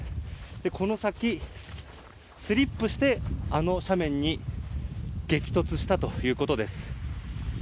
この先、スリップしてあの斜面に激突したということです。